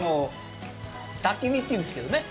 抱き身っていうんですけどね